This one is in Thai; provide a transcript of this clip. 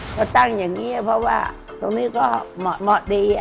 เขาตั้งอย่างนี้เพราะว่าตรงนี้ก็เหมาะดี